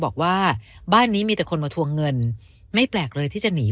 บอกว่าบ้านนี้มีแต่คนมาทวงเงินไม่แปลกเลยที่จะหนี